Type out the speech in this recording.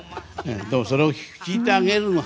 でも、それを聞いてあげるの。